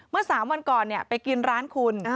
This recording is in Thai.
เมื่อ๓วันก่อนไปกินร้านคุณ